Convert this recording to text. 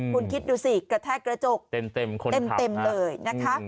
คุณคิดดูสิกระแทกกระจกเต็มคนเต็มเลยนะคะ